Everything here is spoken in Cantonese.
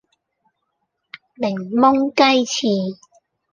檸檬雞翅